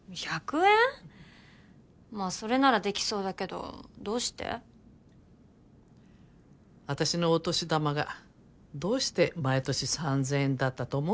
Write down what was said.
まあそれならできそうだけどどうして？あたしのお年玉がどうして毎年３，０００円だったと思う？